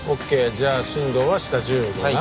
じゃあ新藤は下１５な。